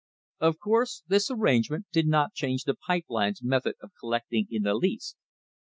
Of course this arrangement did not change the pipe lines' methods of collect ing in the least.